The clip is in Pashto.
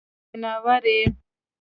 ته ځناور يې.